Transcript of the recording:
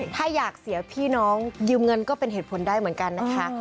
ถ้าอยากเสียพี่น้องยืมเงินก็เป็นเหตุผลได้เหมือนกันนะคะ